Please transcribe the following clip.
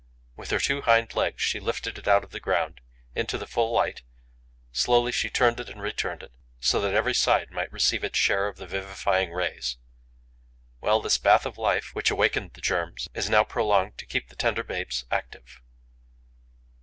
With her two hind legs, she lifted it out of the ground, into the full light; slowly she turned it and returned it, so that every side might receive its share of the vivifying rays. Well, this bath of life, which awakened the germs, is now prolonged to keep the tender babes active.